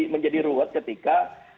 menjadi ruwet ketika